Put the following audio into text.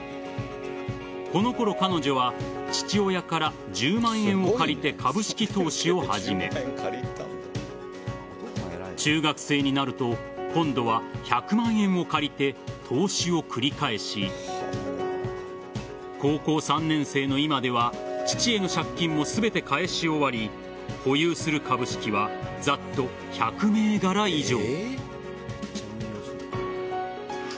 このころ、彼女は父親から１０万円を借りて株式投資を始め中学生になると今度は１００万円を借りて投資を繰り返し高校３年生の今では父への借金も全て返し終わり保有する株式はざっと１００銘柄以上。